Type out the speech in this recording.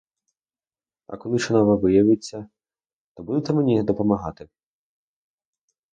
А коли що нове виявиться, то будете мені помагати?